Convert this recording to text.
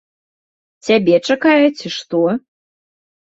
Цябе чакае, ці што?